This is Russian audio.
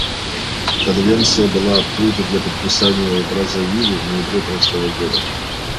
Конвенция была открыта для подписания в Браззавиле в ноябре прошлого года.